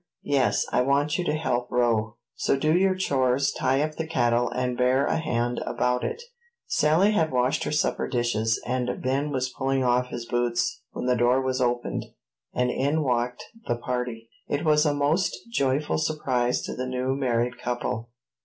"Yes, I want you to help row; so do your chores, tie up the cattle, and bear a hand about it." Sally had washed her supper dishes, and Ben was pulling off his boots, when the door was opened, and in walked the party. It was a most joyful surprise to the new married couple.